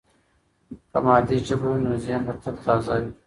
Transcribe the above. که مادي ژبه وي، نو ذهن به تل تازه وي.